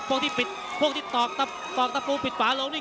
พวกที่ปิดพวกที่ตอกตะตอกตะปูปิดฝาลงนี่